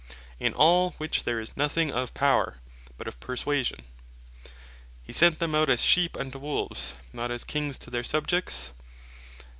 In all which there is nothing of Power, but of Perswasion. He sent them out as Sheep unto Wolves, not as Kings to their Subjects.